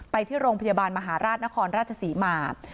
ไปที่โรงพยาบาลมหาราชนครราชศรีมา